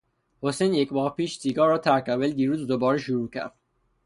حسین یک ماه پیش سیگار را ترک کرد ولی دیروز دوباره شروع کرد.